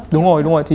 đúng rồi đúng rồi